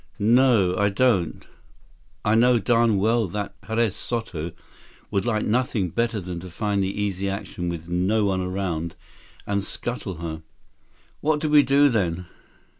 "No, I don't. I know darn well that Perez Soto would like nothing better than to find the Easy Action with no one aboard and scuttle her." "What do we do then?"